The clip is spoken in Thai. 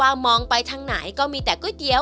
เช่นอาชีพพายเรือขายก๋วยเตี๊ยว